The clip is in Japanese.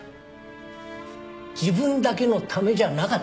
自分だけのためじゃなかった。